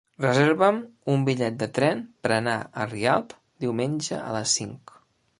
Reserva'm un bitllet de tren per anar a Rialp diumenge a les cinc.